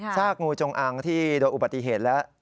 ซากงูจงอังที่โดนอุบัติเหตุแล้ว